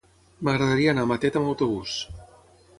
M'agradaria anar a Matet amb autobús.